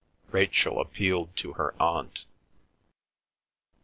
Rachel appealed to her aunt.